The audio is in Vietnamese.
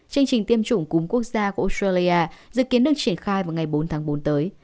chương trình tiêm chủng cúm quốc gia của australia dự kiến được triển khai vào ngày bốn tháng bốn tới